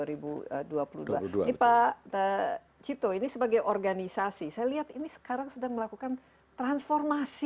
ini pak cipto ini sebagai organisasi saya lihat ini sekarang sedang melakukan transformasi